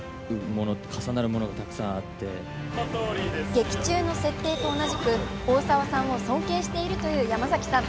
劇中の設定と同じく、大沢さんを尊敬しているという山崎さん。